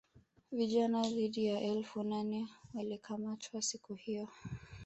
vijana zaidi ya elfu nane walikamatwa siku hiyo